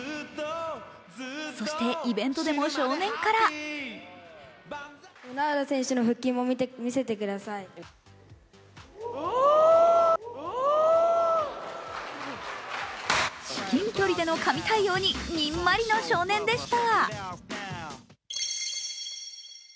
そして、イベントでも少年から至近距離での神対応ににんまりの少年でした。